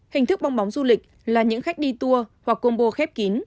hình thức bong bóng du lịch là những khách đi tour hoặc combo khép kín